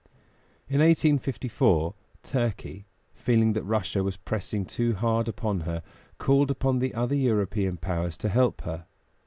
In 1854 Turkey, feeling that Russia was pressing too hard upon her, called upon the other European powers to help her.